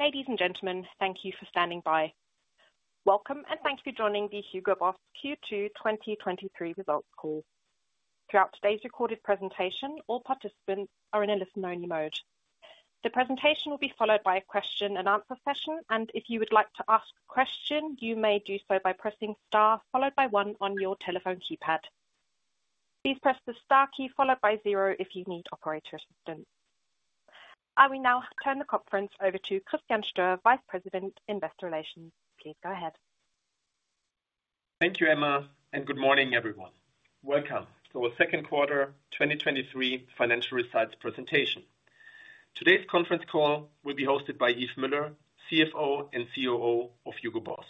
Ladies and gentlemen, thank you for standing by. Welcome, and thanks for joining the Hugo Boss Q2 2023 results call. Throughout today's recorded presentation, all participants are in a listen-only mode. The presentation will be followed by a question and answer session, and if you would like to ask a question, you may do so by pressing star followed by one on your telephone keypad. Please press the star key followed by 0 if you need operator assistance. I will now turn the conference over to Christian Stöhr, Vice President, Investor Relations. Please go ahead. Thank you, Emma. Good morning, everyone. Welcome to our Q2 2023 financial results presentation. Today's conference call will be hosted by Yves Müller, CFO and COO of Hugo Boss.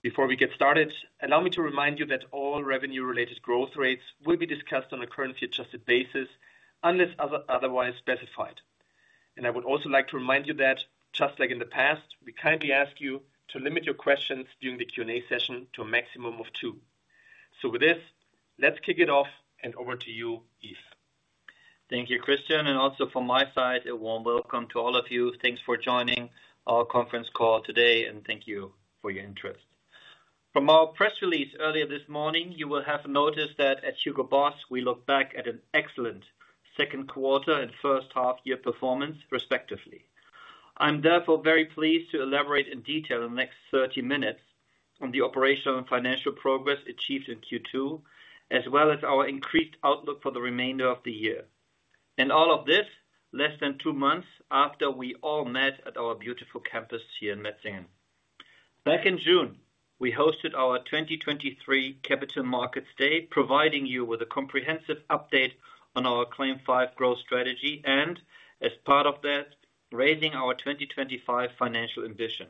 Before we get started, allow me to remind you that all revenue-related growth rates will be discussed on a currency-adjusted basis, unless otherwise specified. I would also like to remind you that, just like in the past, we kindly ask you to limit your questions during the Q&A session to a maximum of two. With this, let's kick it off, and over to you, Yves. Thank you, Christian, and also from my side, a warm welcome to all of you. Thanks for joining our conference call today, and thank you for your interest. From our press release earlier this morning, you will have noticed that at Hugo Boss, we look back at an excellent Q2 and H1 year performance, respectively. I'm therefore very pleased to elaborate in detail in the next 30 minutes on the operational and financial progress achieved in Q2, as well as our increased outlook for the remainder of the year. All of this, less than two months after we all met at our beautiful campus here in Metzingen. Back in June, we hosted our 2023 Capital Markets Day, providing you with a comprehensive update on our CLAIM 5 growth strategy, and as part of that, raising our 2025 financial ambition.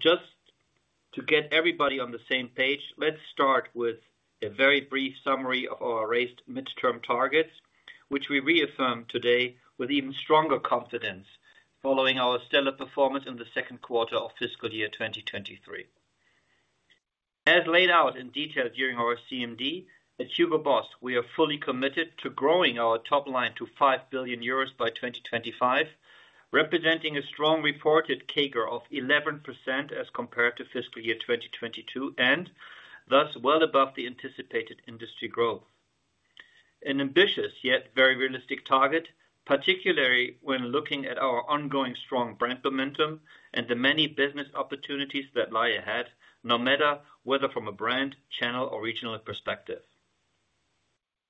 Just to get everybody on the same page, let's start with a very brief summary of our raised midterm targets, which we reaffirm today with even stronger confidence following our stellar performance in the Q2 of fiscal year 2023. As laid out in detail during our CMD, at Hugo Boss, we are fully committed to growing our top line to 5 billion euros by 2025, representing a strong reported CAGR of 11% as compared to fiscal year 2022, and thus well above the anticipated industry growth. An ambitious, yet very realistic target, particularly when looking at our ongoing strong brand momentum and the many business opportunities that lie ahead, no matter whether from a brand, channel or regional perspective.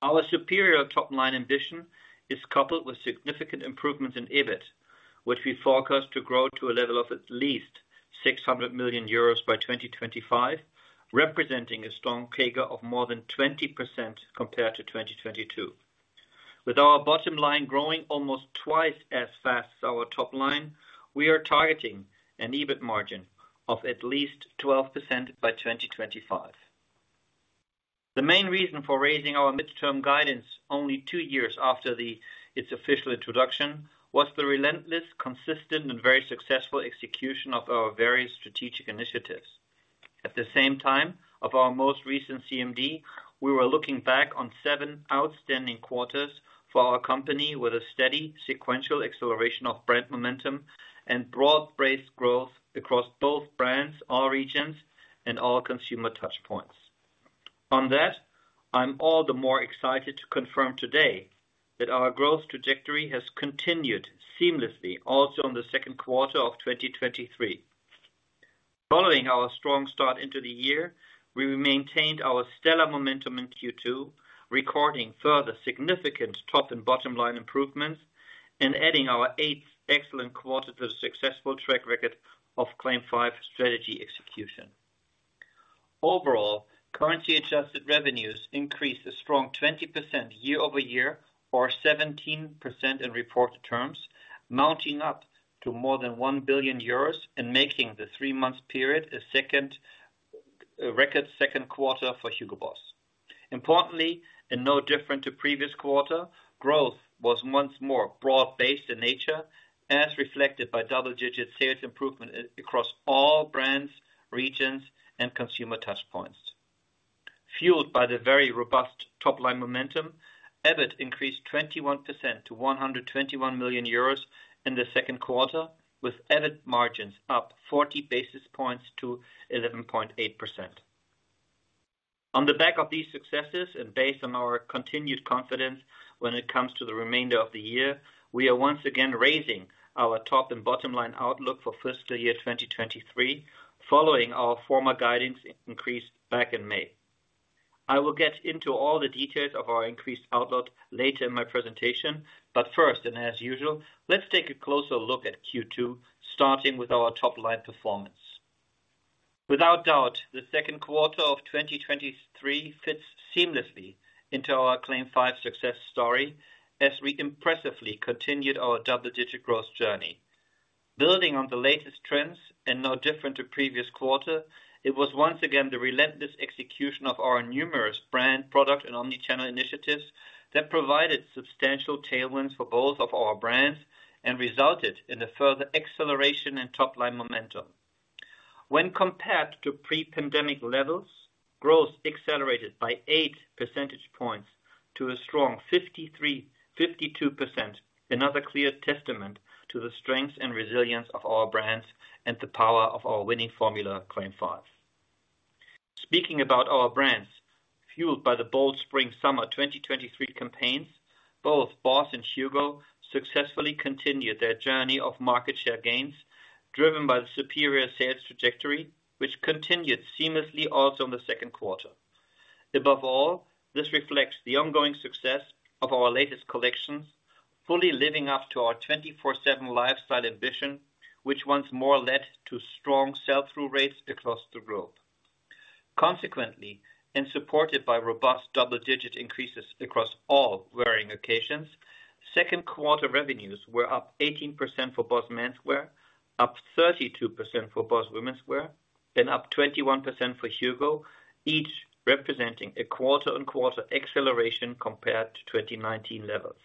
Our superior top line ambition is coupled with significant improvement in EBIT, which we forecast to grow to a level of at least 600 million euros by 2025, representing a strong CAGR of more than 20% compared to 2022. With our bottom line growing almost twice as fast as our top line, we are targeting an EBIT margin of at least 12% by 2025. The main reason for raising our midterm guidance only two years after its official introduction, was the relentless, consistent, and very successful execution of our various strategic initiatives. At the same time, of our most recent CMD, we were looking back on seven outstanding quarters for our company with a steady sequential acceleration of brand momentum and broad-based growth across both brands, all regions, and all consumer touch points. On that, I'm all the more excited to confirm today that our growth trajectory has continued seamlessly, also in the Q2 of 2023. Following our strong start into the year, we maintained our stellar momentum in Q2, recording further significant top and bottom line improvements and adding our eighth excellent quarter to the successful track record of CLAIM 5 strategy execution. Overall, currency-adjusted revenues increased a strong 20% year-over-year or 17% in reported terms, mounting up to more than 1 billion euros and making the three-month period a second, a record Q2 for Hugo Boss. Importantly, no different to previous quarter, growth was once more broad-based in nature, as reflected by double-digit sales improvement across all brands, regions, and consumer touch points. Fueled by the very robust top-line momentum, EBIT increased 21% to 121 million euros in the Q2, with EBIT margins up 40 basis points to 11.8%. On the back of these successes, based on our continued confidence when it comes to the remainder of the year, we are once again raising our top and bottom line outlook for fiscal year 2023, following our former guidance increased back in May. I will get into all the details of our increased outlook later in my presentation, but first, and as usual, let's take a closer look at Q2, starting with our top line performance. Without doubt, the Q2 of 2023 fits seamlessly into our Claim five success story as we impressively continued our double-digit growth journey. Building on the latest trends, and no different to previous quarter, it was once again the relentless execution of our numerous brand, product, and omni-channel initiatives that provided substantial tailwinds for both of our brands and resulted in a further acceleration in top-line momentum. When compared to pre-pandemic levels, growth accelerated by 8% points to a strong 53, 52%. Another clear testament to the strength and resilience of our brands and the power of our winning formula, CLAIM 5. Speaking about our brands, fueled by the bold spring summer 2023 campaigns, both BOSS and HUGO successfully continued their journey of market share gains, driven by the superior sales trajectory, which continued seamlessly also in the Q2. Above all, this reflects the ongoing success of our latest collections, fully living up to our 24/7 lifestyle ambition, which once more led to strong sell-through rates across the globe. Consequently, supported by robust double-digit increases across all wearing occasions, Q2 revenues were up 18% for BOSS Menswear, up 32% for BOSS Womenswear, and up 21% for HUGO, each representing a quarter-on-quarter acceleration compared to 2019 levels.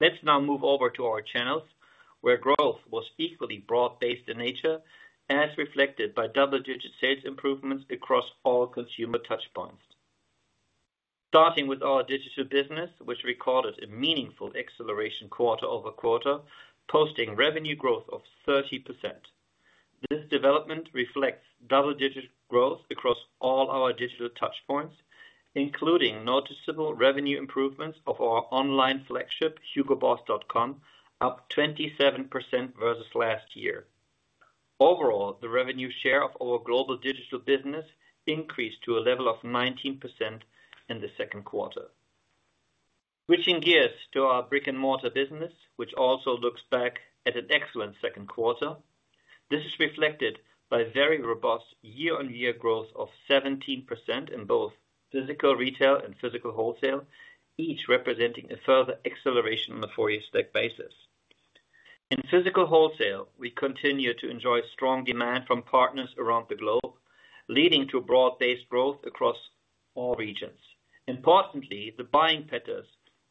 Let's now move over to our channels, where growth was equally broad-based in nature, as reflected by double-digit sales improvements across all consumer touchpoints. Starting with our digital business, which recorded a meaningful acceleration quarter-over-quarter, posting revenue growth of 30%. This development reflects double-digit growth across all our digital touchpoints, including noticeable revenue improvements of our online flagship, hugoboss.com, up 27% versus last year. Overall, the revenue share of our global digital business increased to a level of 19% in the Q2. Switching gears to our brick-and-mortar business, which also looks back at an excellent Q2. This is reflected by very robust year-on-year growth of 17% in both physical retail and physical wholesale, each representing a further acceleration on the four-year stack basis. In physical wholesale, we continue to enjoy strong demand from partners around the globe, leading to broad-based growth across all regions. Importantly, the buying patterns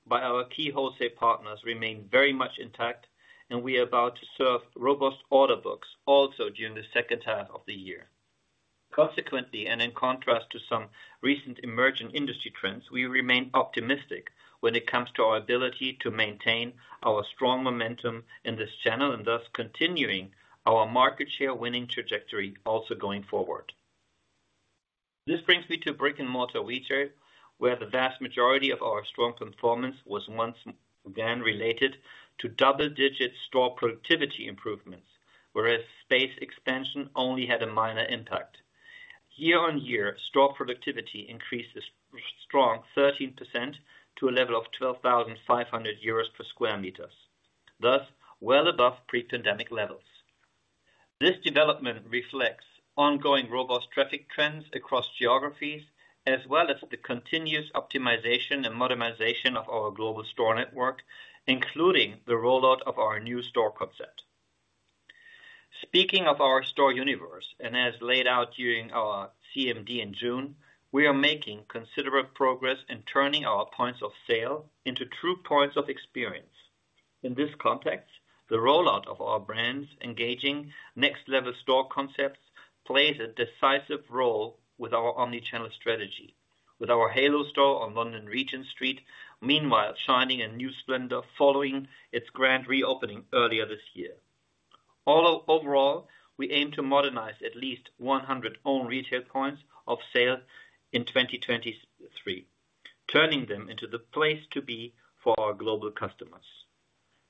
by our key wholesale partners remain very much intact, and we are about to serve robust order books also during the H2 of the year. Consequently, and in contrast to some recent emerging industry trends, we remain optimistic when it comes to our ability to maintain our strong momentum in this channel, and thus continuing our market share winning trajectory also going forward. This brings me to brick-and-mortar retail, where the vast majority of our strong conformance was once again related to double-digit store productivity improvements, whereas space expansion only had a minor impact. Year-on-year, store productivity increased a strong 13% to a level of 12,500 euros per square meters, thus well above pre-pandemic levels. This development reflects ongoing robust traffic trends across geographies, as well as the continuous optimization and modernization of our global store network, including the rollout of our new store concept. Speaking of our store universe, as laid out during our CMD in June, we are making considerable progress in turning our points of sale into true points of experience. In this context, the rollout of our brands engaging next level store concepts plays a decisive role with our omni-channel strategy, with our Halo store on London Regent Street, meanwhile, shining a new splendor following its grand reopening earlier this year. overall, we aim to modernize at least 100 own retail points of sale in 2023, turning them into the place to be for our global customers.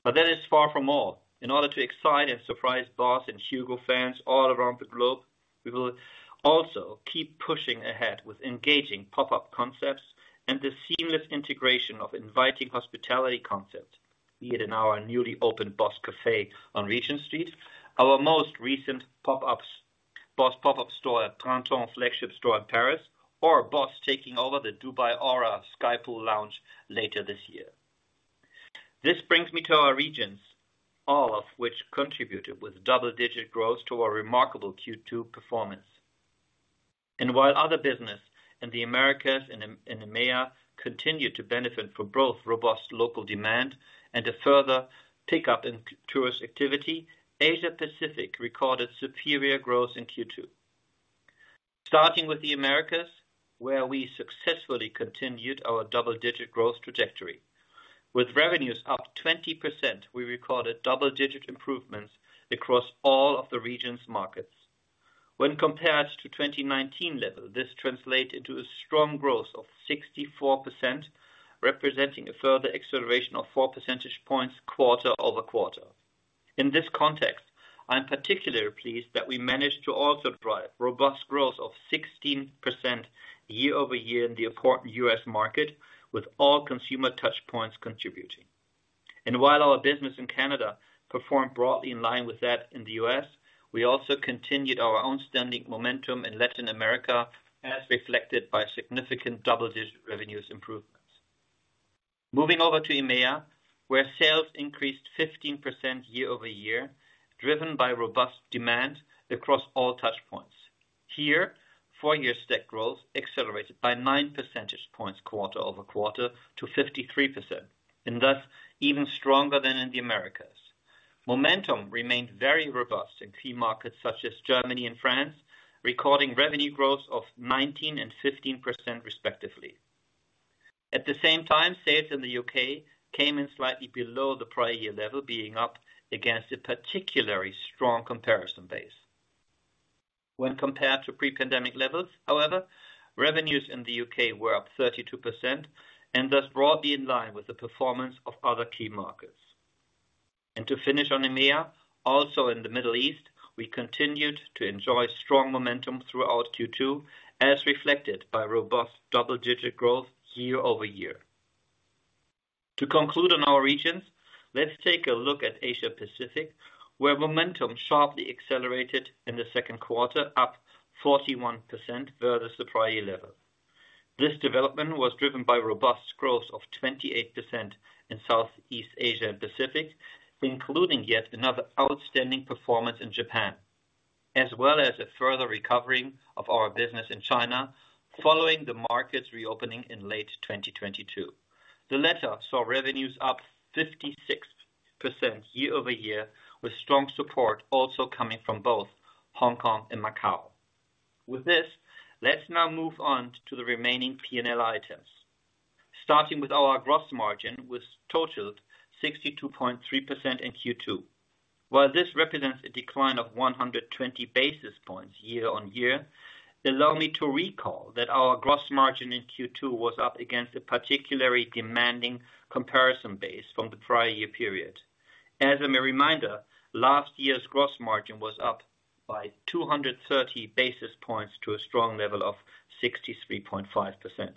That is far from all. In order to excite and surprise BOSS and HUGO fans all around the globe, we will also keep pushing ahead with engaging pop-up concepts and the seamless integration of inviting hospitality concept, be it in our newly opened BOSS Cafe on Regent Street, our most recent pop-ups, BOSS pop-up store at Printemps flagship store in Paris, or BOSS taking over the Dubai Aura Skypool Lounge later this year. This brings me to our regions, all of which contributed with double-digit growth to our remarkable Q2 performance. While other business in the Americas and EMEA continued to benefit from both robust local demand and a further pickup in tourist activity, Asia Pacific recorded superior growth in Q2. Starting with the Americas, where we successfully continued our double-digit growth trajectory. With revenues up 20%, we recorded double-digit improvements across all of the regions markets. When compared to 2019 level, this translates into a strong growth of 64%, representing a further acceleration of 4 percentage points quarter-over-quarter. In this context, I am particularly pleased that we managed to also drive robust growth of 16% year-over-year in the important U.S. market, with all consumer touchpoints contributing. While our business in Canada performed broadly in line with that in the U.S., we also continued our outstanding momentum in Latin America, as reflected by significant double-digit revenues improvements. Moving over to EMEA, where sales increased 15% year-over-year, driven by robust demand across all touchpoints. Here, four-year stack growth accelerated by 9 percentage points quarter-over-quarter to 53%, and thus, even stronger than in the Americas. Momentum remained very robust in key markets such as Germany and France, recording revenue growth of 19% and 15% respectively. At the same time, sales in the U.K. came in slightly below the prior year level, being up against a particularly strong comparison base. When compared to pre-pandemic levels, however, revenues in the U.K. were up 32% and thus broadly in line with the performance of other key markets. To finish on EMEA, also in the Middle East, we continued to enjoy strong momentum throughout Q2, as reflected by robust double-digit growth year-over-year. To conclude on our regions, let's take a look at Asia Pacific, where momentum sharply accelerated in the Q2, up 41% versus the prior level. This development was driven by robust growth of 28% in Southeast Asia and Pacific, including yet another outstanding performance in Japan, as well as a further recovering of our business in China following the market's reopening in late 2022. The latter saw revenues up 56% year-over-year, with strong support also coming from both Hong Kong and Macau. With this, let's now move on to the remaining P&L items. Starting with our gross margin, which totaled 62.3% in Q2. While this represents a decline of 120 basis points year-on-year, allow me to recall that our gross margin in Q2 was up against a particularly demanding comparison base from the prior year period. As a reminder, last year's gross margin was up by 230 basis points to a strong level of 63.5%.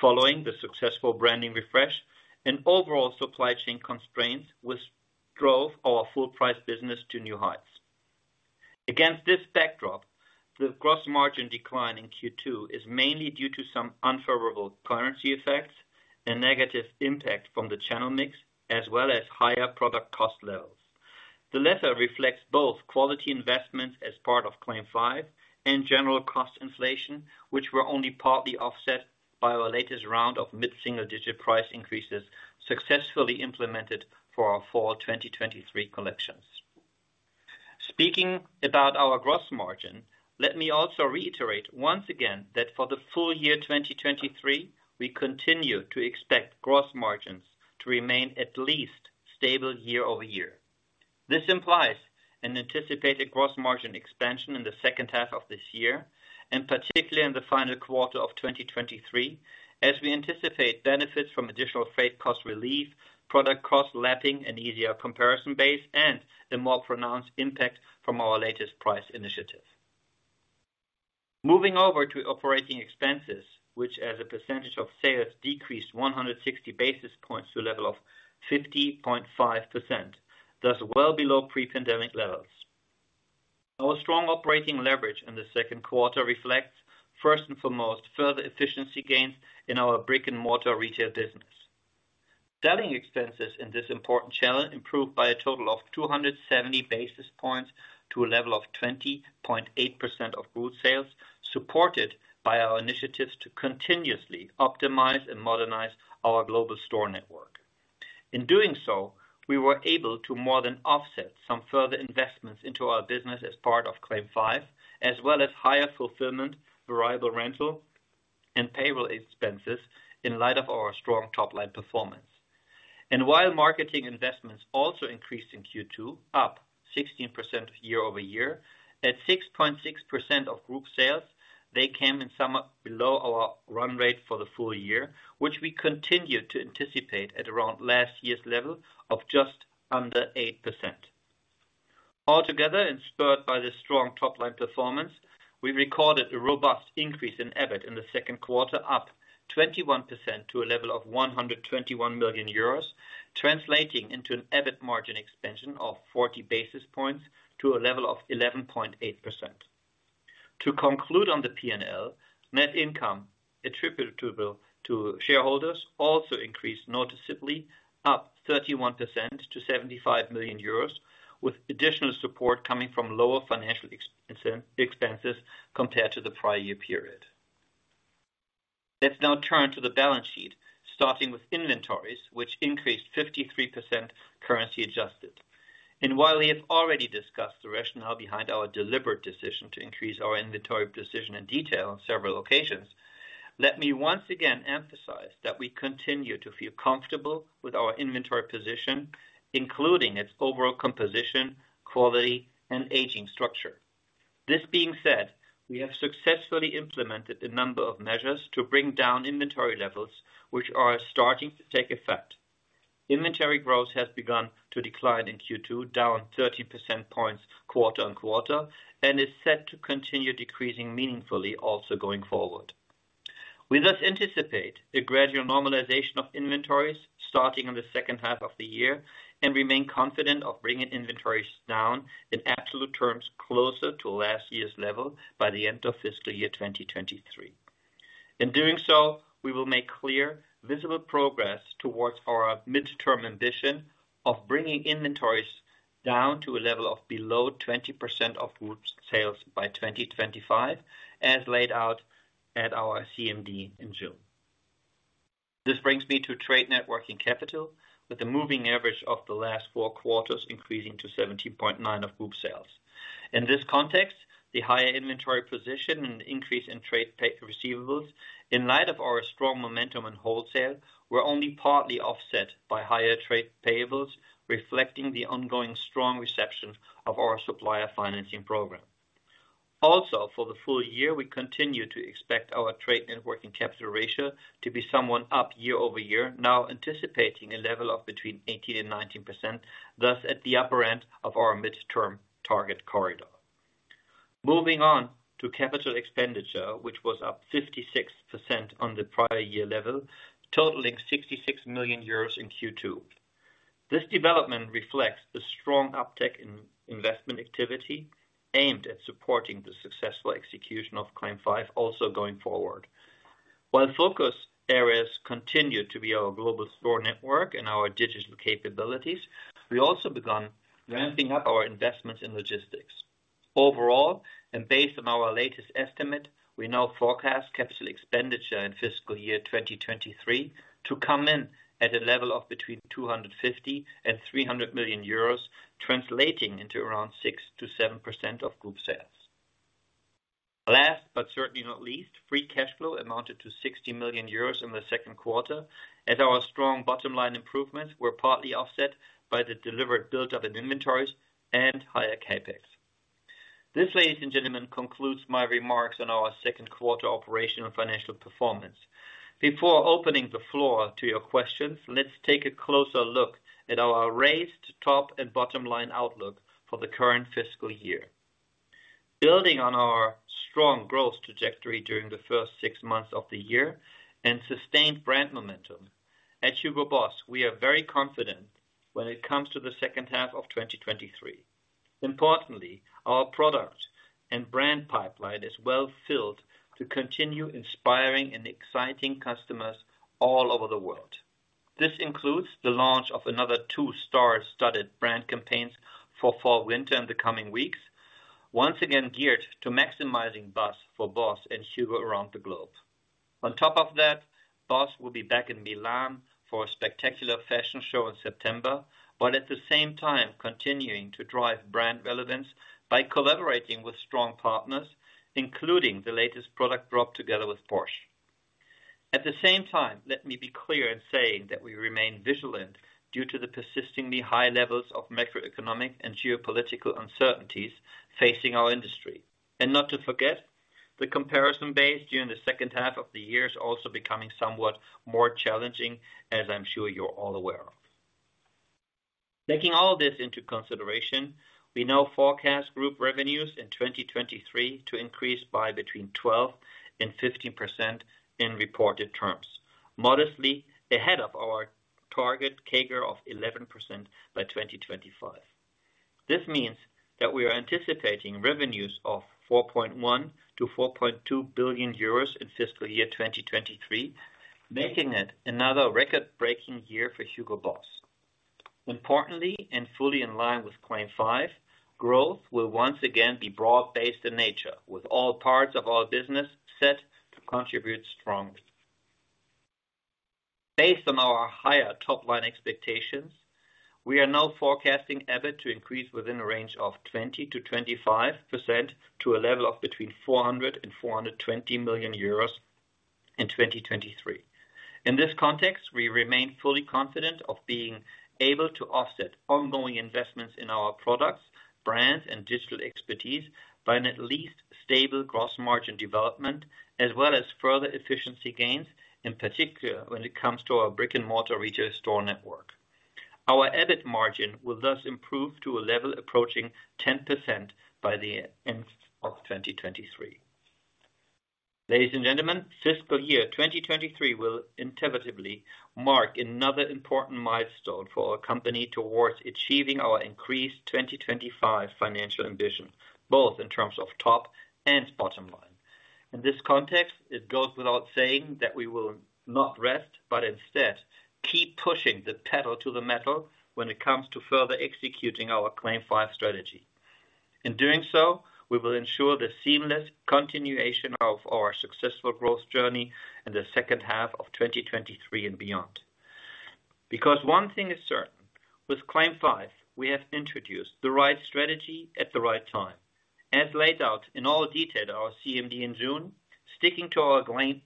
Following the successful branding refresh and overall supply chain constraints, which drove our full price business to new heights. Against this backdrop, the gross margin decline in Q2 is mainly due to some unfavorable currency effects and negative impact from the channel mix, as well as higher product cost levels. The latter reflects both quality investments as part of CLAIM 5 and general cost inflation, which were only partly offset by our latest round of mid-single-digit price increases successfully implemented for our fall 2023 collections. Speaking about our gross margin, let me also reiterate once again that for the full year 2023, we continue to expect gross margins to remain at least stable year-over-year. This implies an anticipated gross margin expansion in the H2 of this year, and particularly in the final quarter of 2023, as we anticipate benefits from additional freight cost relief, product cost lapping, an easier comparison base, and a more pronounced impact from our latest price initiative. Moving over to operating expenses, which as a percentage of sales, decreased 160 basis points to a level of 50.5%, thus well below pre-pandemic levels. Our strong operating leverage in the Q2 reflects, first and foremost, further efficiency gains in our brick-and-mortar retail business. Selling expenses in this important channel improved by a total of 270 basis points to a level of 20.8% of group sales, supported by our initiatives to continuously optimize and modernize our global store network. In doing so, we were able to more than offset some further investments into our business as part of CLAIM 5, as well as higher fulfillment, variable rental, and payroll expenses in light of our strong top-line performance. While marketing investments also increased in Q2, up 16% year-over-year, at 6.6% of group sales, they came in somewhat below our run rate for the full year, which we continue to anticipate at around last year's level of just under 8%. Altogether, and spurred by the strong top-line performance, we recorded a robust increase in EBIT in the Q2, up 21% to a level of 121 million euros, translating into an EBIT margin expansion of 40 basis points to a level of 11.8%. To conclude on the P&L, net income attributable to shareholders also increased noticeably, up 31% to 75 million euros, with additional support coming from lower financial expenses compared to the prior year period. Let's now turn to the balance sheet, starting with inventories, which increased 53% currency adjusted. While we have already discussed the rationale behind our deliberate decision to increase our inventory position in detail on several occasions, let me once again emphasize that we continue to feel comfortable with our inventory position, including its overall composition, quality, and aging structure. This being said, we have successfully implemented a number of measures to bring down inventory levels, which are starting to take effect. Inventory growth has begun to decline in Q2, down 13% points quarter-on-quarter, and is set to continue decreasing meaningfully, also going forward. We thus anticipate a gradual normalization of inventories starting in the H2 of the year, and remain confident of bringing inventories down in absolute terms closer to last year's level by the end of fiscal year 2023. In doing so, we will make clear, visible progress towards our midterm ambition of bringing inventories down to a level of below 20% of group sales by 2025, as laid out at our CMD in June. This brings me to Trade Net Working Capital, with a moving average of the last four quarters increasing to 17.9 of group sales. In this context, the higher inventory position and increase in Trade Receivables, in light of our strong momentum in wholesale, were only partly offset by higher Trade Payables, reflecting the ongoing strong reception of our supplier financing program. For the full year, we continue to expect our Trade Net Working Capital ratio to be somewhat up year-over-year, now anticipating a level of between 18% and 19%, thus, at the upper end of our midterm target corridor. Moving on to Capital Expenditure, which was up 56% on the prior year level, totaling 66 million euros in Q2. This development reflects the strong uptick in investment activity aimed at supporting the successful execution of CLAIM 5, also going forward. While focus areas continue to be our global store network and our digital capabilities, we also begun ramping up our investments in logistics. Overall, based on our latest estimate, we now forecast capital expenditure in fiscal year 2023 to come in at a level of between 250 million and 300 million euros, translating into around 6%-7% of group sales. Last, but certainly not least, free cash flow amounted to 60 million euros in the Q2, as our strong bottom line improvements were partly offset by the delivered build-up in inventories and higher CapEx. This, ladies and gentlemen, concludes my remarks on our Q2 operational financial performance. Before opening the floor to your questions, let's take a closer look at our raised top and bottom line outlook for the current fiscal year. Building on our strong growth trajectory during the first six months of the year and sustained brand momentum, at Hugo Boss, we are very confident when it comes to the H2 of 2023. Importantly, our product and brand pipeline is well filled to continue inspiring and exciting customers all over the world. This includes the launch of another two star-studded brand campaigns for fall/winter in the coming weeks, once again, geared to maximizing buzz for BOSS and HUGO around the globe. On top of that, BOSS will be back in Milan for a spectacular fashion show in September. At the same time continuing to drive brand relevance by collaborating with strong partners, including the latest product drop together with Porsche. At the same time, let me be clear in saying that we remain vigilant due to the persistently high levels of macroeconomic and geopolitical uncertainties facing our industry. Not to forget, the comparison base during the H2 of the year is also becoming somewhat more challenging, as I'm sure you're all aware of. Taking all this into consideration, we now forecast group revenues in 2023 to increase by between 12% and 15% in reported terms, modestly ahead of our target CAGR of 11% by 2025. This means that we are anticipating revenues of 4.1 billion-4.2 billion euros in fiscal year 2023, making it another record-breaking year for Hugo Boss. Importantly, and fully in line with Claim five, growth will once again be broad-based in nature, with all parts of our business set to contribute strongly. Based on our higher top-line expectations, we are now forecasting EBIT to increase within a range of 20%-25% to a level of between 400 million euros and 420 million euros in 2023. In this context, we remain fully confident of being able to offset ongoing investments in our products, brands, and digital expertise by an at least stable gross margin development, as well as further efficiency gains, in particular, when it comes to our brick-and-mortar retail store network. Our EBIT margin will thus improve to a level approaching 10% by the end of 2023. Ladies and gentlemen, fiscal year 2023 will inevitably mark another important milestone for our company towards achieving our increased 2025 financial ambition, both in terms of top and bottom line. In this context, it goes without saying that we will not rest, but instead, keep pushing the pedal to the metal when it comes to further executing our CLAIM 5 strategy. In doing so, we will ensure the seamless continuation of our successful growth journey in the H2 of 2023 and beyond. Because one thing is certain, with CLAIM 5, we have introduced the right strategy at the right time. As laid out in all detail at our CMD in June, sticking to our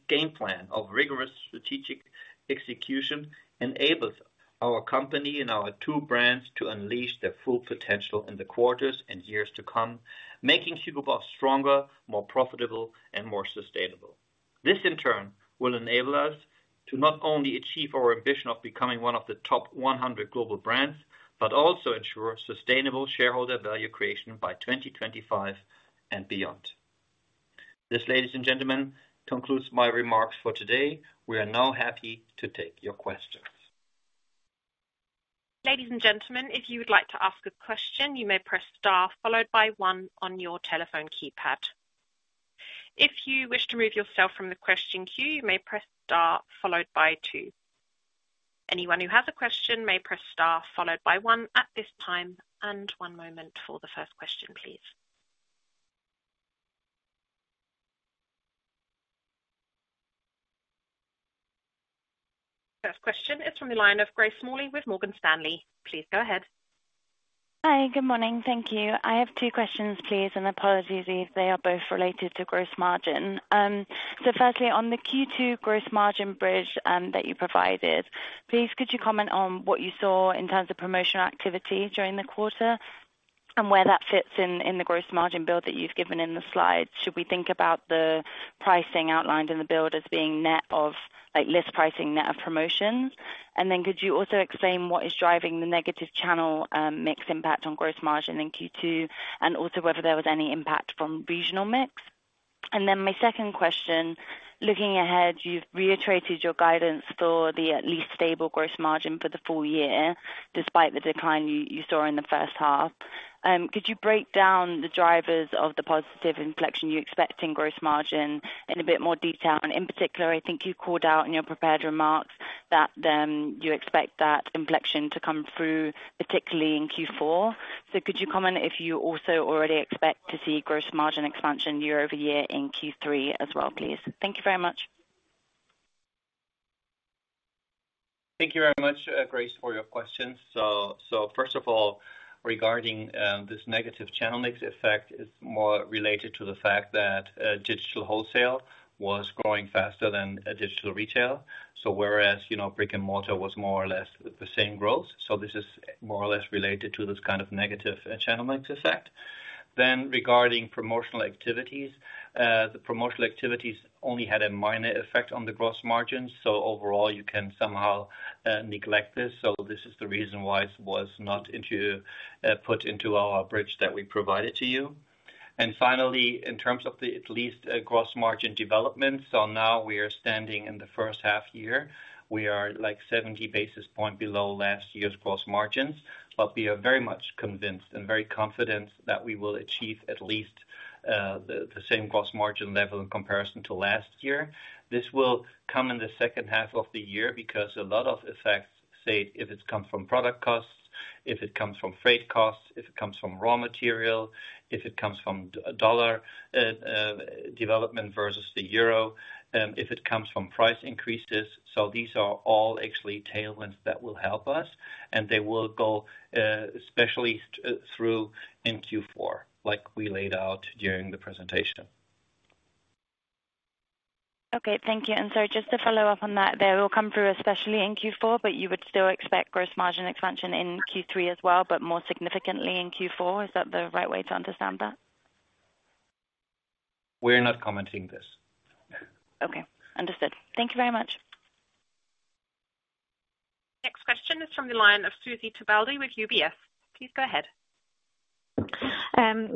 game plan of rigorous strategic execution enables our company and our two brands to unleash their full potential in the quarters and years to come, making Hugo Boss stronger, more profitable, and more sustainable. This, in turn, will enable us to not only achieve our ambition of becoming one of the top 100 global brands, but also ensure sustainable shareholder value creation by 2025 and beyond. This, ladies and gentlemen, concludes my remarks for today. We are now happy to take your questions. ... Ladies and gentlemen, if you would like to ask a question, you may press star followed by one on your telephone keypad. If you wish to remove yourself from the question queue, you may press star followed by two. Anyone who has a question may press star followed by one at this time. One moment for the first question, please. First question is from the line of Grace Smalley with Morgan Stanley. Please go ahead. Hi, good morning. Thank you. I have two questions, please, apologies if they are both related to gross margin. Firstly, on the Q2 gross margin bridge that you provided, please could you comment on what you saw in terms of promotional activity during the quarter? Where that fits in, in the gross margin build that you've given in the slide. Should we think about the pricing outlined in the build as being net of, like, list pricing, net of promotions? Could you also explain what is driving the negative channel mix impact on gross margin in Q2, also whether there was any impact from regional mix? My second question, looking ahead, you've reiterated your guidance for the at least stable gross margin for the full year, despite the decline you saw in the H1. Could you break down the drivers of the positive inflection you expect in gross margin in a bit more detail? In particular, I think you called out in your prepared remarks that you expect that inflection to come through, particularly in Q4. Could you comment if you also already expect to see gross margin expansion year-over-year in Q3 as well, please? Thank you very much. Thank you very much, Grace, for your questions. First of all, regarding this negative channel mix effect, it's more related to the fact that digital wholesale was growing faster than digital retail. Whereas, you know, brick-and-mortar was more or less the same growth, this is more or less related to this kind of negative channel mix effect. Regarding promotional activities, the promotional activities only had a minor effect on the gross margins, overall you can somehow neglect this. This is the reason why it was not into put into our bridge that we provided to you. Finally, in terms of the at least gross margin development, now we are standing in the H1 year. We are, like, 70 basis point below last year's gross margins. We are very much convinced and very confident that we will achieve at least the same gross margin level in comparison to last year. This will come in the H2 of the year because a lot of effects, say, if it comes from product costs, if it comes from freight costs, if it comes from raw material, if it comes from dollar development versus the euro, if it comes from price increases. These are all actually tailwinds that will help us, and they will go especially through in Q4, like we laid out during the presentation. Okay, thank you. Just to follow up on that, they will come through, especially in Q4, but you would still expect gross margin expansion in Q3 as well, but more significantly in Q4. Is that the right way to understand that? We're not commenting this. Okay, understood. Thank you very much. Next question is from the line of Zuzanna Pusz with UBS. Please go ahead.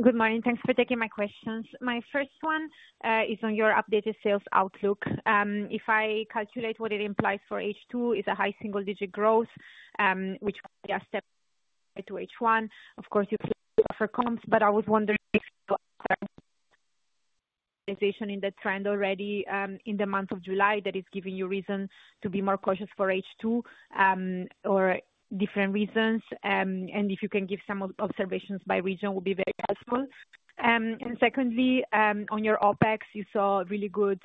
Good morning. Thanks for taking my questions. My first one is on your updated sales outlook. If I calculate what it implies for H2, it's a high single-digit growth, which are step to H1. Of course, you offer comps, but I was wondering if you got in the trend already in the month of July, that is giving you reason to be more cautious for H2, or different reasons. If you can give some observations by region, will be very helpful. Secondly, on your OpEx, you saw really good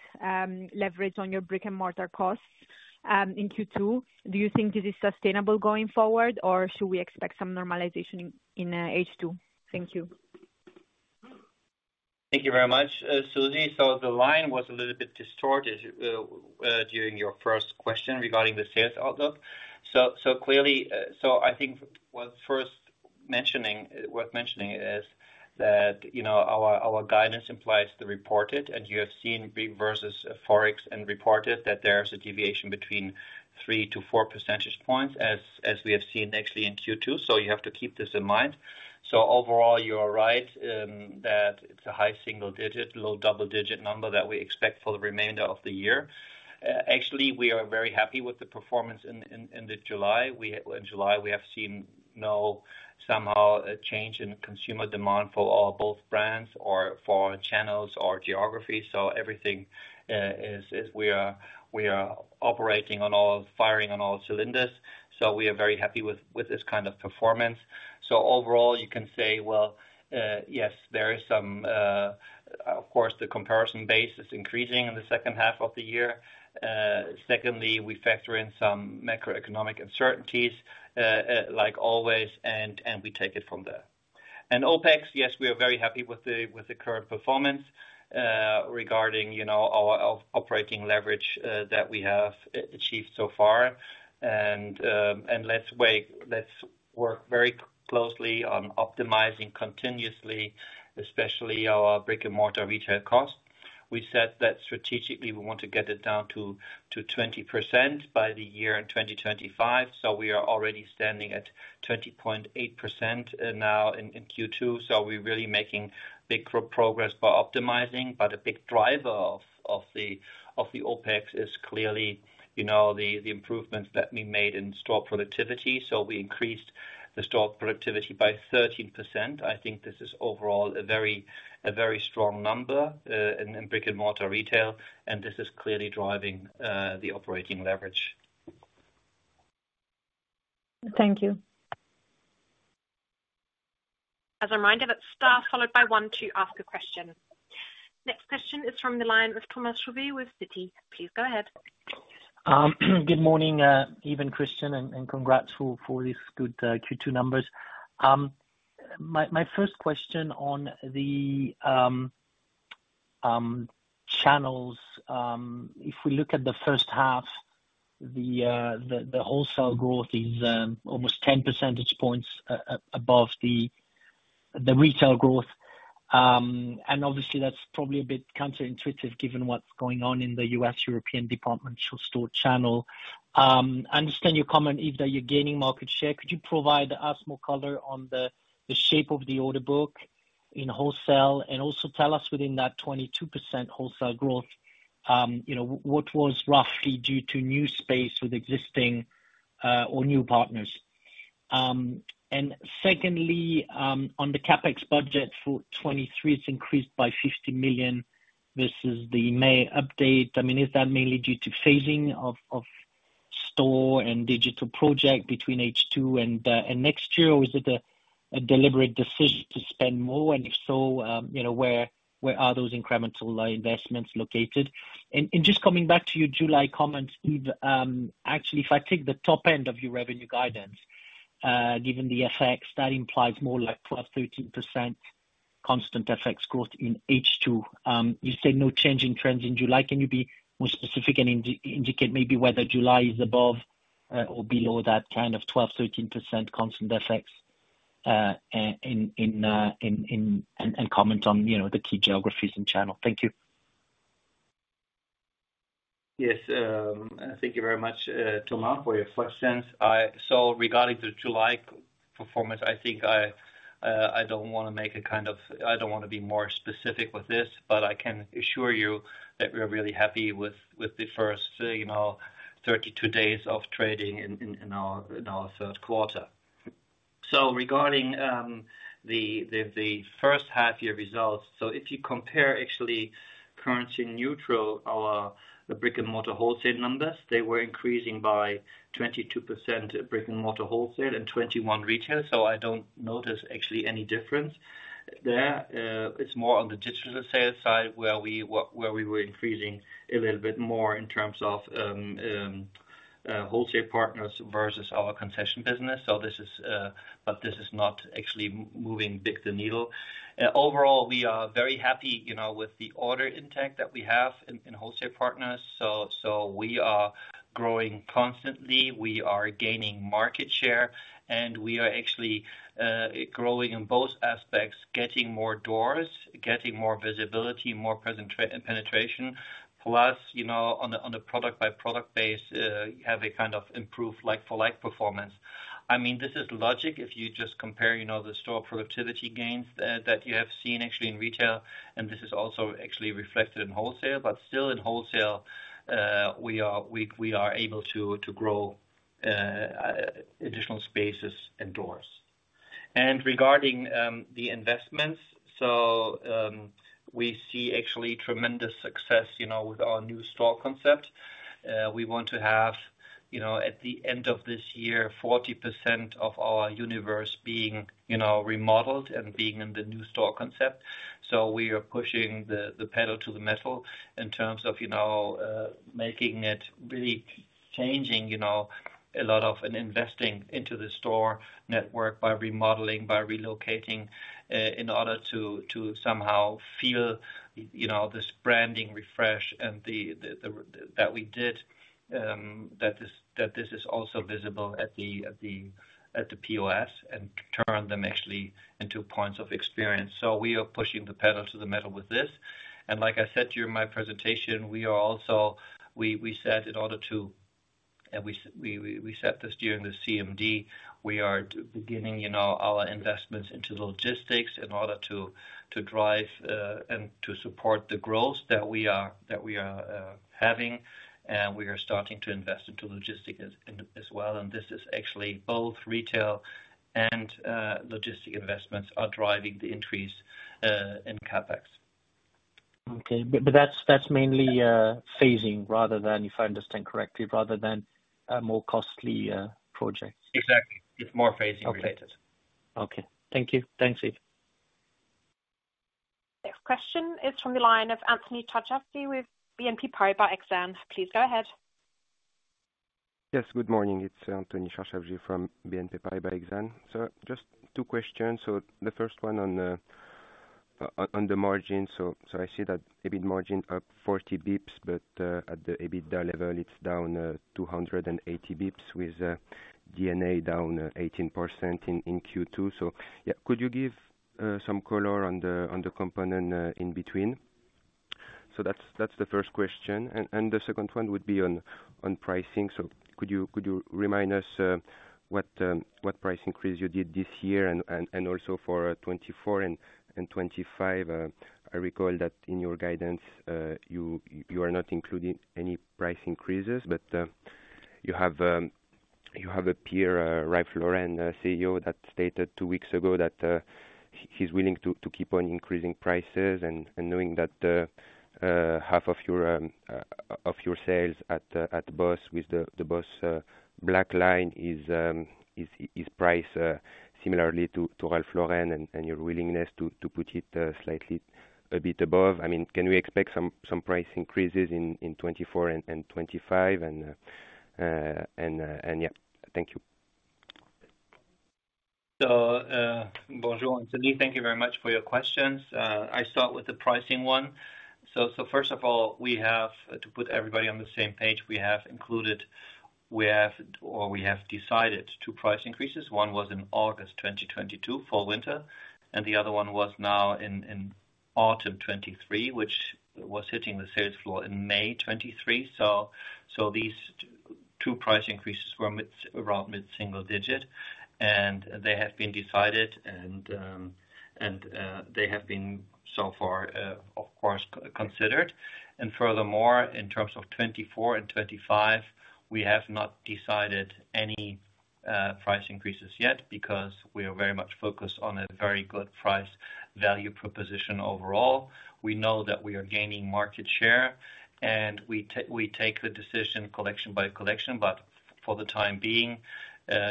leverage on your brick-and-mortar costs in Q2. Do you think this is sustainable going forward, or should we expect some normalization in H2? Thank you. Thank you very much, Zuzanna. The line was a little bit distorted during your first question regarding the sales outlook. Clearly, I think worth mentioning is that, you know, our guidance implies the reported, and you have seen versus Forex and reported that there's a deviation between 3 to 4 percentage points, as we have seen actually in Q2. You have to keep this in mind. Overall, you are right that it's a high single digit, low double-digit number that we expect for the remainder of the year. Actually, we are very happy with the performance in July. In July, we have seen no somehow a change in consumer demand for our both brands or for channels or geographies. Everything is, is we are, we are operating on all, firing on all cylinders, we are very happy with, with this kind of performance. Overall, you can say, well, yes, there is some, of course, the comparison base is increasing in the H2 of the year. Secondly, we factor in some macroeconomic uncertainties, like always, and, and we take it from there. OpEx, yes, we are very happy with the, with the current performance, regarding, you know, our operating leverage that we have achieved so far. Let's wait, let's work very closely on optimizing continuously, especially our brick-and-mortar retail costs. We said that strategically, we want to get it down to, to 20% by the year in 2025. We are already standing at 20.8% now in Q2. We're really making big pro-progress by optimizing, but a big driver of the OpEx is clearly, you know, the improvements that we made in store productivity. We increased the store productivity by 13%. I think this is overall a very, a very strong number in brick-and-mortar retail, and this is clearly driving the operating leverage. Thank you. As a reminder, that's star followed by 1 2, ask a question. Next question is from the line of Thomas Chauvet with Citi. Please go ahead. Good morning, Yves and Christian, and congrats for this good Q2 numbers. My first question on the channels. If we look at the H1, the, the, the wholesale growth is almost 10 percentage points above the, the retail growth. Obviously, that's probably a bit counterintuitive, given what's going on in the U.S., European departmental store channel. I understand your comment is that you're gaining market share. Could you provide us more color on the, the shape of the order book in wholesale? Also tell us within that 22% wholesale growth, you know, what was roughly due to new space with existing, or new partners? Secondly, on the CapEx budget for 2023, it's increased by 50 million versus the May update. I mean, is that mainly due to phasing of, of store and digital project between H2 and next year? Or is it a deliberate decision to spend more? If so, you know, where are those incremental investments located? Just coming back to your July comments, Yves, actually, if I take the top end of your revenue guidance, given the FX, that implies more like 12%, 13% constant FX growth in H2. You said no change in trends in July. Can you be more specific and indicate maybe whether July is above or below that kind of 12%, 13% constant FX in and comment on, you know, the key geographies and channel? Thank you. Yes, thank you very much, Thomas, for your questions. Regarding the July performance, I think I don't wanna make a kind of I don't wanna be more specific with this, but I can assure you that we are really happy with, with the first, you know, 32 days of trading in, in, in our, in our Q3. Regarding the, the, the H1 year results, so if you compare actually currency neutral, our, the brick-and-mortar wholesale numbers, they were increasing by 22% brick-and-mortar wholesale and 21 retail. I don't notice actually any difference there. It's more on the digital sales side, where we where we were increasing a little bit more in terms of wholesale partners versus our concession business. This is, but this is not actually moving big the needle. Overall, we are very happy, you know, with the order intake that we have in, in wholesale partners. We are growing constantly, we are gaining market share, and we are actually growing in both aspects, getting more doors, getting more visibility, more penetration. Plus, you know, on the, on the product-by-product base, you have a kind of improved like-for-like performance. I mean, this is logic if you just compare, you know, the store productivity gains, that you have seen actually in retail, and this is also actually reflected in wholesale. Still in wholesale, we are, we, we are able to, to grow additional spaces and doors. Regarding the investments, we see actually tremendous success, you know, with our new store concept. We want to have, you know, at the end of this year, 40% of our universe being, you know, remodeled and being in the new store concept. We are pushing the, the pedal to the metal in terms of, you know, making it really changing, you know, and investing into the store network by remodeling, by relocating, in order to, to somehow feel, you know, this branding refresh and the, the, the, that we did, that this, that this is also visible at the, at the, at the POS and turn them actually into points of experience. We are pushing the pedal to the metal with this. Like I said to you in my presentation, we are also... We said in order to, and we set this during the CMD, we are beginning, you know, our investments into logistics in order to, to drive and to support the growth that we are having, and we are starting to invest into logistic as well. This is actually both retail and logistic investments are driving the increase in CapEx. Okay. That's mainly phasing rather than, if I understand correctly, rather than a more costly project? Exactly. It's more phasing related. Okay. Thank you. Thanks, Eve. Next question is from the line of Anthony Charchafji with BNP Paribas Exane. Please go ahead. Yes, good morning. It's Anthony Charchafji from BNP Paribas Exane. Just two questions. The first one on the margin. I see that EBIT margin up 40 bips, but at the EBITDA level, it's down 280 bips, with DACH down 18% in Q2. Yeah, could you give some color on the component in between? That's the first question. The second one would be on pricing. Could you, could you remind us what price increase you did this year and also for 2024 and 2025? I recall that in your guidance, you, you are not including any price increases, but you have, you have a peer, Ralph Lauren, CEO, that stated two weeks ago that he, he's willing to, to keep on increasing prices and, and knowing that half of your, of your sales at, at BOSS, with the, the BOSS Black line is, is, is priced similarly to, to Ralph Lauren and, and your willingness to, to put it slightly a bit above. I mean, can we expect some, some price increases in 2024 and 2025? And, and, yeah. Thank you. Bonjour, Anthony. Thank you very much for your questions. I start with the pricing one. First of all, we have, to put everybody on the same page, we have included, we have or we have decided 2 price increases. One was in August 2022 for winter, and the other one was now in, in autumn 2023, which was hitting the sales floor in May 2023. These 2 price increases were mid, around mid-single-digit, and they have been decided, and they have been so far, of course, considered. Furthermore, in terms of 2024 and 2025, we have not decided any price increases yet because we are very much focused on a very good price value proposition overall. We know that we are gaining market share, we take the decision collection by collection, but for the time being,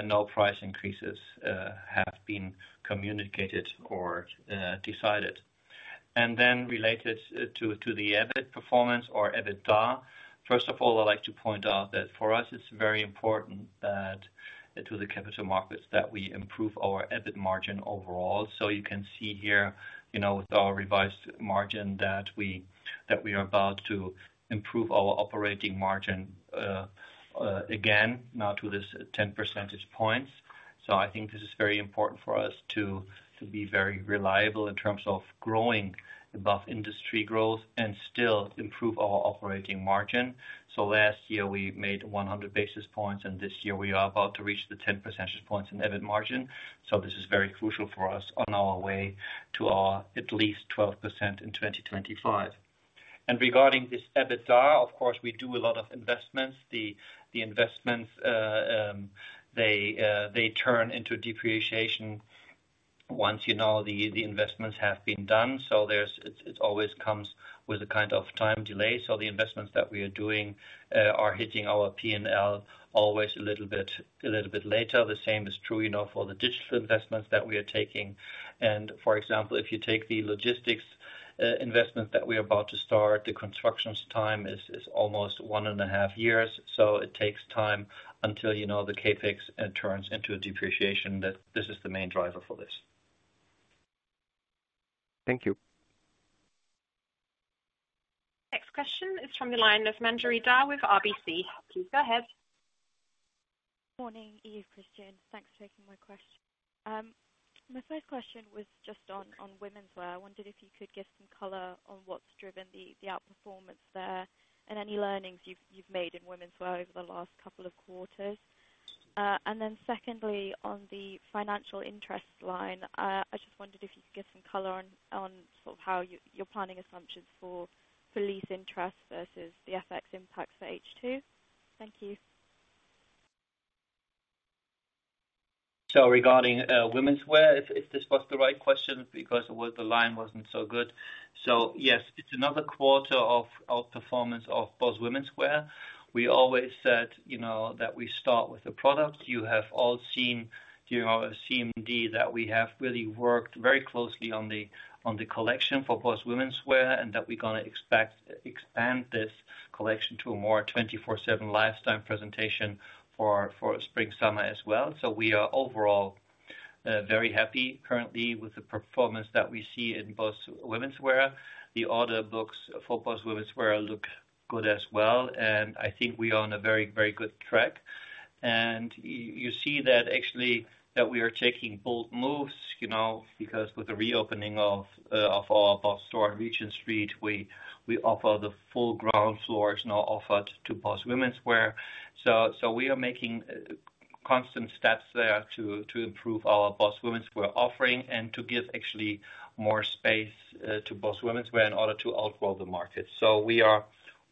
no price increases have been communicated or decided. Related to the EBIT performance or EBITDA, first of all, I'd like to point out that for us, it's very important that, to the capital markets, that we improve our EBIT margin overall. You can see here, you know, with our revised margin, that we, that we are about to improve our operating margin again, now to this 10 percentage points. I think this is very important for us to be very reliable in terms of growing above industry growth and still improve our operating margin. Last year, we made 100 basis points, and this year we are about to reach the 10 percentage points in EBIT margin. This is very crucial for us on our way to our at least 12% in 2025. Regarding this EBITDA, of course, we do a lot of investments. The investments, they turn into depreciation once, you know, the investments have been done. It always comes with a kind of time delay. The investments that we are doing, are hitting our P&L always a little bit, a little bit later. The same is true, you know, for the digital investments that we are taking. For example, if you take the logistics investment that we are about to start, the constructions time is, is almost one and a half years. It takes time until, you know, the CapEx turns into a depreciation, that this is the main driver for this. Thank you. Next question is from the line of Manjari Dhar with RBC. Please go ahead. Morning, Yves, Christian. Thanks for taking my question. My first question was just on, on womenswear. I wondered if you could give some color on what's driven the, the outperformance there and any learnings you've, you've made in womenswear over the last couple of quarters? Secondly, on the financial interest line, I just wondered if you could give some color on, on sort of how you- your planning assumptions for lease interest versus the FX impacts for H2. Thank you. Regarding, womenswear, if, if this was the right question, because The line wasn't so good. Yes, it's another quarter of outperformance of BOSS Womenswear. We always said, you know, that we start with the product. You have all seen, you know, CMD, that we have really worked very closely on the, on the collection for BOSS Womenswear, and that we're gonna expand this collection to a more 24/7 lifestyle presentation for, for spring/summer as well. We are overall very happy currently with the performance that we see in BOSS Womenswear. The order books for BOSS Womenswear look good as well, and I think we are on a very, very good track. You see that actually, that we are taking bold moves, you know, because with the reopening of our BOSS store on Regent Street, we, we offer the full ground floor is now offered to BOSS Womenswear. We are making constant steps there to improve our BOSS Womenswear offering and to give actually more space to BOSS Womenswear in order to outgrow the market. We are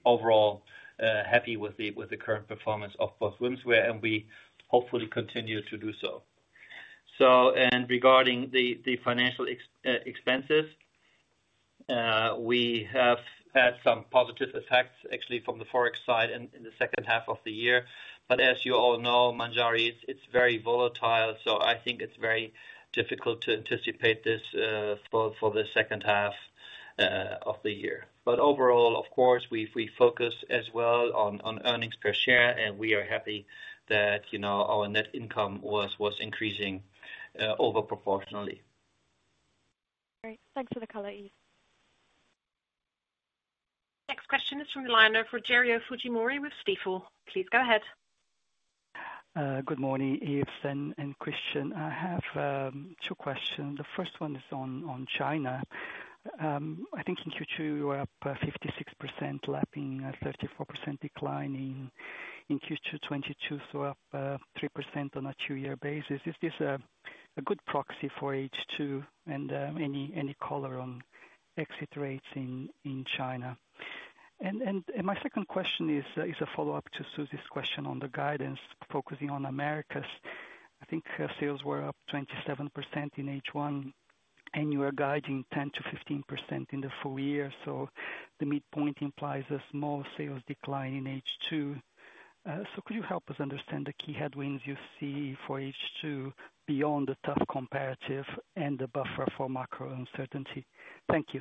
overall happy with the current performance of BOSS Womenswear, and we hopefully continue to do so. Regarding the financial expenses, we have had some positive effects, actually, from the Forex side in the H2 of the year. As you all know, Manjari, it's, it's very volatile, so I think it's very difficult to anticipate this for the H2 of the year. Overall, of course, we, we focus as well on, on earnings per share, and we are happy that, you know, our net income was increasing over proportionally. Great. Thanks for the color, Yves. Next question is from the line of Rogerio Fujimori with Stifel. Please go ahead.... Good morning, Yves and Christian. I have two questions. The first one is on China. I think in Q2, you were up 56%, lapping a 34% decline in Q2 2022, so up 3% on a two-year basis. Is this a good proxy for H2? Any color on exit rates in China? My second question is a follow-up to Susy's question on the guidance, focusing on Americas. I think her sales were up 27% in H1, and you are guiding 10%-15% in the full year, so the midpoint implies a small sales decline in H2. Could you help us understand the key headwinds you see for H2 beyond the tough comparative and the buffer for macro uncertainty? Thank you.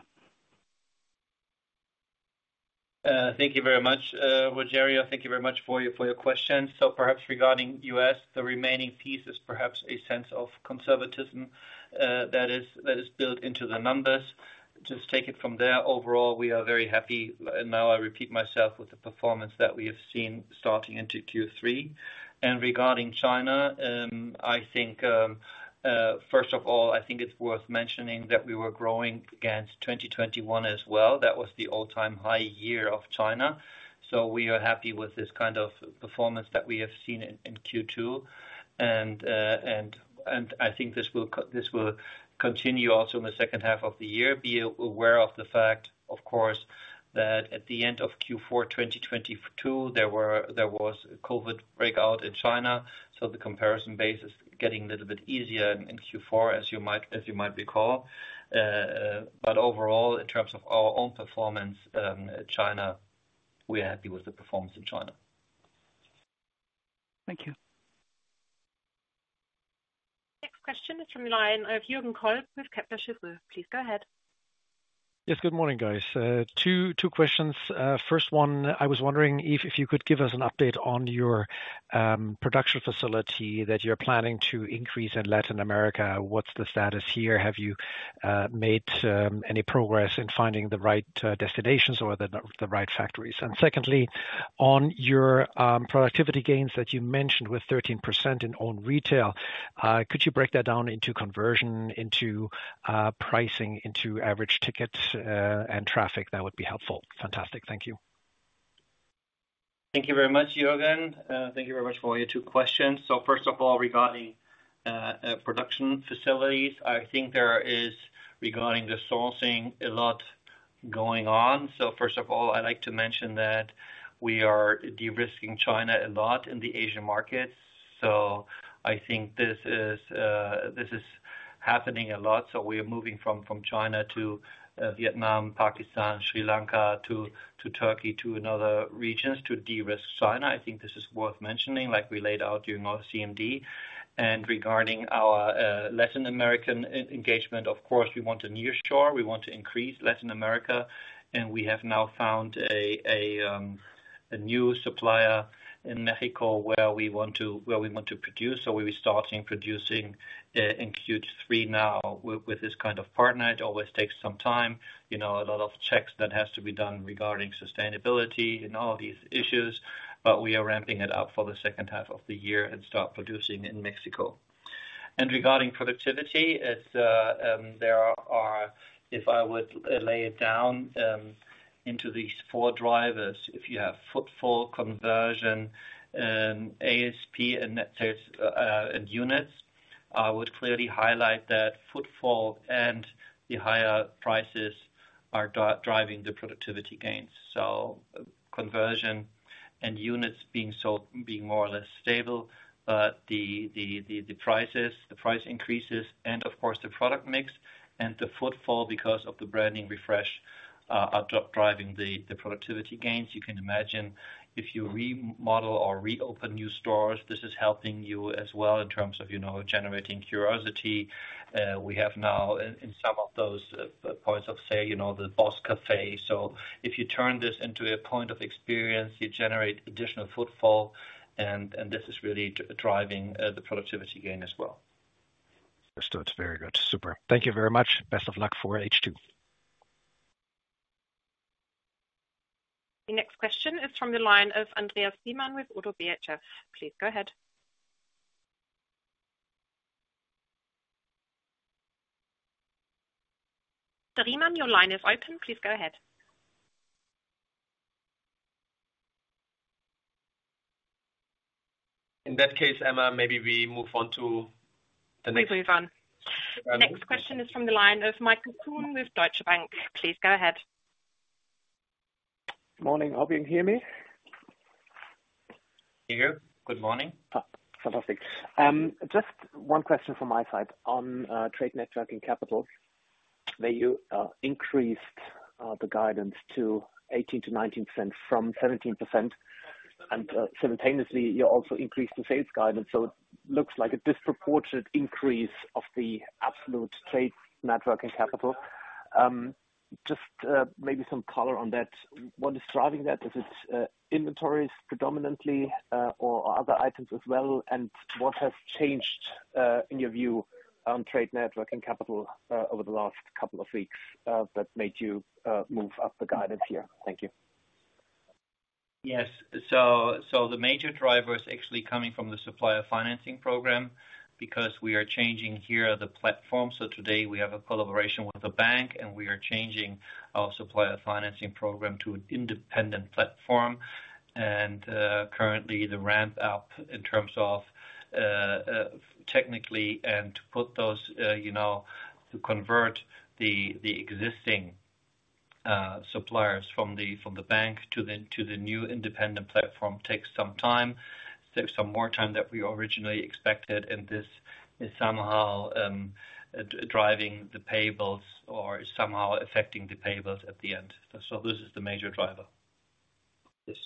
Thank you very much, Rogério. Thank you very much for your, for your questions. Perhaps regarding U.S., the remaining piece is perhaps a sense of conservatism that is, that is built into the numbers. Just take it from there. Overall, we are very happy, and now I repeat myself, with the performance that we have seen starting into Q3. Regarding China, I think, first of all, I think it's worth mentioning that we were growing against 2021 as well. That was the all-time high year of China. We are happy with this kind of performance that we have seen in, in Q2. And, and I think this will continue also in the H2 of the year. Be aware of the fact, of course, that at the end of Q4, 2022, there was a COVID breakout in China, so the comparison base is getting a little bit easier in Q4, as you might, as you might recall. Overall, in terms of our own performance, China, we are happy with the performance in China. Thank you. Next question is from the line of Jürgen Kolb with Kepler Cheuvreux. Please go ahead. Yes, good morning, guys. Two, two questions. First one, I was wondering if, if you could give us an update on your production facility that you're planning to increase in Latin America. What's the status here? Have you made any progress in finding the right destinations or the, the right factories? Secondly, on your productivity gains that you mentioned with 13% in own retail, could you break that down into conversion, into pricing, into average tickets, and traffic? That would be helpful. Fantastic. Thank you. Thank you very much, Jürgen. Thank you very much for your two questions. First of all, regarding production facilities, I think there is, regarding the sourcing, a lot going on. First of all, I'd like to mention that we are de-risking China a lot in the Asian markets. I think this is happening a lot, so we are moving from China to Vietnam, Pakistan, Sri Lanka, to Turkey, to another regions to de-risk China. I think this is worth mentioning, like we laid out during our CMD. Regarding our Latin American e-engagement, of course, we want to nearshore, we want to increase Latin America, and we have now found a, a new supplier in Mexico where we want to, where we want to produce. We'll be starting producing in Q3 now with this kind of partner. It always takes some time, you know, a lot of checks that has to be done regarding sustainability and all these issues, but we are ramping it up for the H2 of the year and start producing in Mexico. Regarding productivity, it's, there are. If I would lay it down into these four drivers, if you have footfall, conversion, ASP, and net sales, and units, I would clearly highlight that footfall and the higher prices are driving the productivity gains. Conversion and units being more or less stable, the, the, the, the prices, the price increases, and of course, the product mix and the footfall, because of the branding refresh, are driving the productivity gains. You can imagine if you remodel or reopen new stores, this is helping you as well in terms of, you know, generating curiosity. We have now, in, in some of those, points of sale, you know, the BOSS Cafe. If you turn this into a point of experience, you generate additional footfall, and, and this is really driving, the productivity gain as well. Understood. Very good. Super. Thank you very much. Best of luck for H2. The next question is from the line of Andreas Riemann with Oddo BHF. Please go ahead. Mr. Riemann, your line is open. Please go ahead. In that case, Emma, maybe we move on to the next- We move on. Um- Next question is from the line of Michael Kuhn with Deutsche Bank. Please go ahead. Morning. Hope you can hear me? I hear you. Good morning. Fantastic. Just one question from my side on Trade Net Working Capital, where you increased the guidance to 18%-19% from 17%, and simultaneously, you also increased the sales guidance, so it looks like a disproportionate increase of the absolute Trade Net Working Capital. Just maybe some color on that. What is driving that? Is it inventories predominantly or other items as well? What has changed?... In your view on Trade Net Working Capital, over the last couple of weeks, that made you, move up the guidance here? Thank you. Yes. The major driver is actually coming from the supplier financing program because we are changing here the platform. Today we have a collaboration with a bank, and we are changing our supplier financing program to an independent platform. Currently, the ramp up in terms of technically and to put those, you know, to convert the existing suppliers from the bank to the new independent platform takes some time, takes some more time than we originally expected, and this is somehow driving the payables or somehow affecting the payables at the end. This is the major driver. Yes.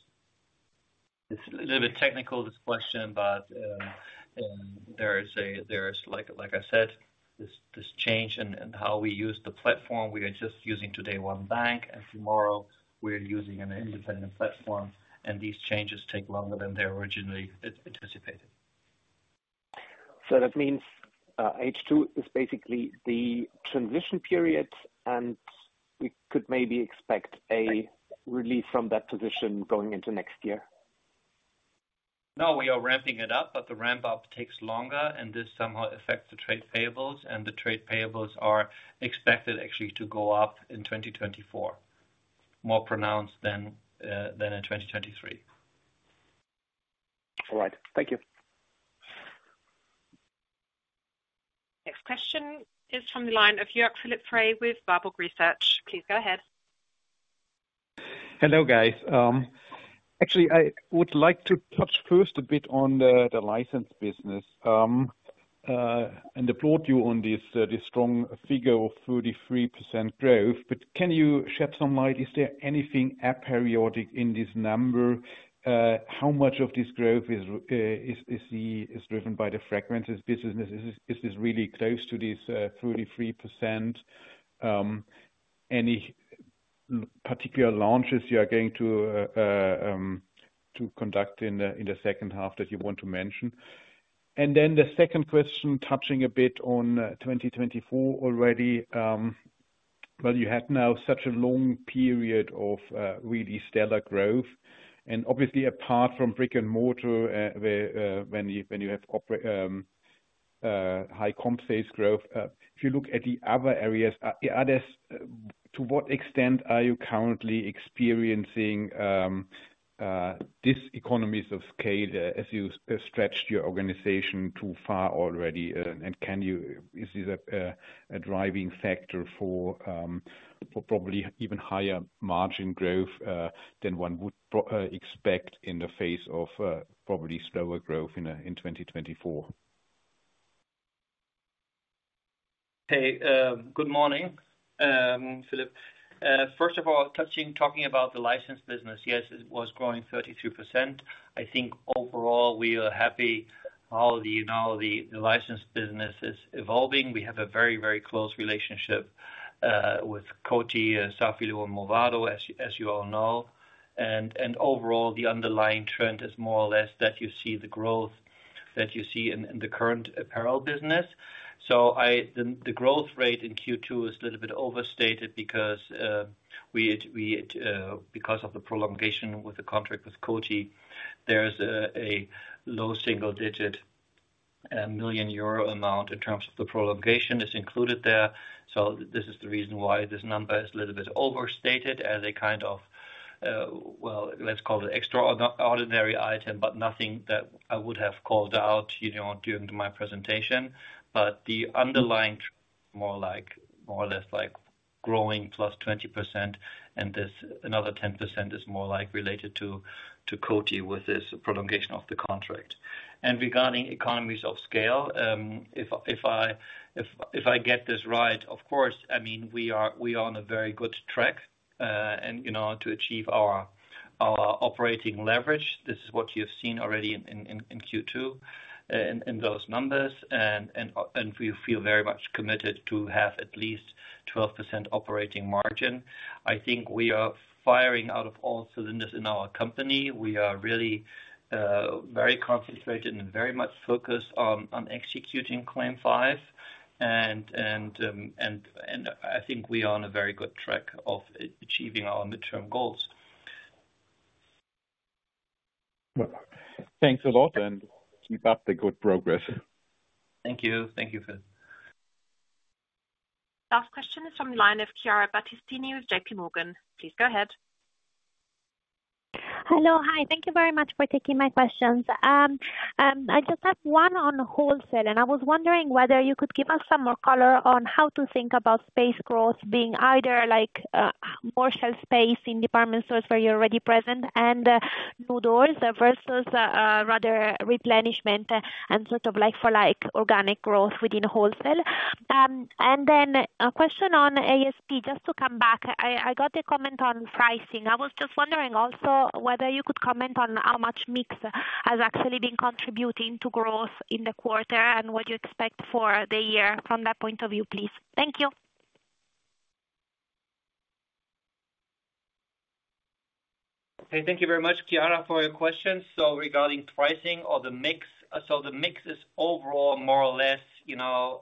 It's a little bit technical, this question, but there is, like, like I said, this, this change in, in how we use the platform. We are just using today 1 bank. Tomorrow we are using an independent platform. These changes take longer than they originally anticipated. That means, H2 is basically the transition period, and we could maybe expect a relief from that position going into next year? We are ramping it up, but the ramp up takes longer, and this somehow affects the trade payables, and the trade payables are expected actually to go up in 2024, more pronounced than in 2023. All right. Thank you. Next question is from the line of Jörg Philipp Frey with Warburg Research. Please go ahead. Hello, guys. Actually, I would like to touch first a bit on the license business, applaud you on this strong figure of 33% growth. Can you shed some light, is there anything aperiodic in this number? How much of this growth is driven by the fragmented business? Is this, is this really close to this 33%? Any particular launches you are going to conduct in the H2 that you want to mention? The second question, touching a bit on 2024 already. Well, you had now such a long period of really stellar growth, obviously, apart from brick-and-mortar, where when you, when you have opera... high comp sales growth, if you look at the other areas, the others, to what extent are you currently experiencing these economies of scale, as you stretched your organization too far already? Is this a driving factor for probably even higher margin growth than one would expect in the face of probably slower growth in 2024? Hey, good morning, Philipp. First of all, touching, talking about the license business, yes, it was growing 32%. I think overall, we are happy how the, now the license business is evolving. We have a very, very close relationship with Coty, Safilo, and Movado, as you, as you all know. Overall, the underlying trend is more or less that you see the growth that you see in, in the current apparel business. So I- the, the growth rate in Q2 is a little bit overstated because we had, we had, because of the prolongation with the contract with Coty, there is a low single-digit million EUR amount in terms of the prolongation is included there. This is the reason why this number is a little bit overstated as a kind of, well, let's call it extraordinary item, but nothing that I would have called out, you know, during my presentation. The underlying, more like, more or less like growing plus 20%, and this another 10% is more like related to, to Coty with this prolongation of the contract. Regarding economies of scale, if, if I, if, if I get this right, of course, I mean, we are, we are on a very good track, and, you know, to achieve our, our operating leverage. This is what you've seen already in, in, in Q2, in, in those numbers, and, and, and we feel very much committed to have at least 12% operating margin. I think we are firing out of all cylinders in our company. We are really, very concentrated and very much focused on, on executing CLAIM 5. I think we are on a very good track of achieving our midterm goals. Thanks a lot, and keep up the good progress. Thank you. Thank you, Philipp. Last question is from the line of Chiara Battistini with JPMorgan. Please go ahead. Hello. Hi, thank you very much for taking my questions. I just have one on wholesale, and I was wondering whether you could give us some more color on how to think about space growth being either like, more shelf space in department stores where you're already present and new doors versus rather replenishment and sort of like for like organic growth within wholesale. Then a question on ASP, just to come back. I, I got a comment on pricing. I was just wondering also whether you could comment on how much mix has actually been contributing to growth in the quarter and what you expect for the year from that point of view, please. Thank you. Hey, thank you very much, Chiara, for your questions. Regarding pricing or the mix, the mix is overall more or less, you know,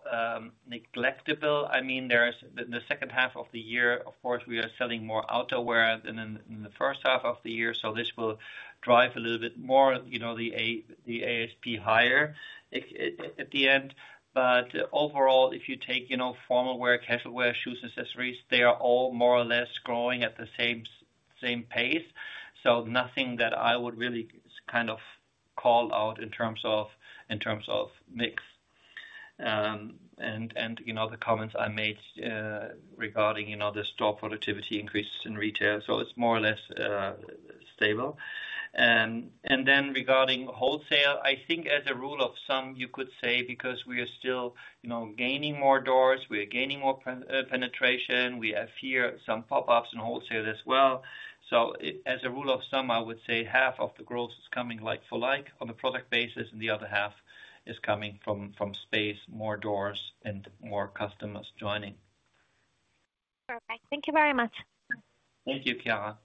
negligible. I mean, there's the, the H2 of the year, of course, we are selling more outerwear than in, than the H1 of the year, this will drive a little bit more, you know, the ASP higher at the end. Overall, if you take, you know, formal wear, casual wear, shoes, accessories, they are all more or less growing at the same pace. Nothing that I would really kind of call out in terms of, in terms of mix. And, and, you know, the comments I made regarding, you know, the store productivity increases in retail, it's more or less stable. Regarding wholesale, I think as a rule of some, you could say, because we are still, you know, gaining more doors, we are gaining more penetration, we have here some pop-ups in wholesale as well. As a rule of thumb, I would say half of the growth is coming like for like on a product basis, and the other half is coming from, from space, more doors and more customers joining. Perfect. Thank you very much. Thank you, Chiara.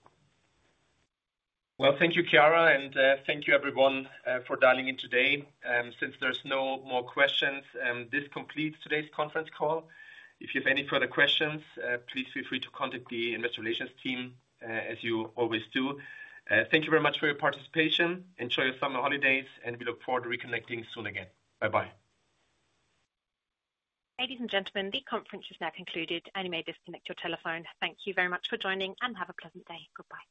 Well, thank you, Chiara, and thank you everyone for dialing in today. Since there's no more questions, this completes today's conference call. If you have any further questions, please feel free to contact the investor relations team as you always do. Thank you very much for your participation. Enjoy your summer holidays, and we look forward to reconnecting soon again. Bye-bye. Ladies and gentlemen, the conference is now concluded, and you may disconnect your telephone. Thank you very much for joining, and have a pleasant day. Goodbye.